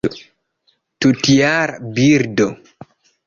Tutjara birdo.